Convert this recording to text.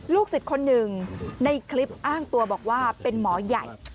สิทธิ์คนหนึ่งในคลิปอ้างตัวบอกว่าเป็นหมอใหญ่